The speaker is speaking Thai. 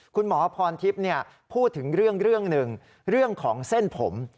คุณหมอพรทิพย์พูดถึงเรื่องหนึ่งเรื่องของเส้นผม